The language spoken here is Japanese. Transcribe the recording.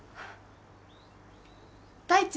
太一。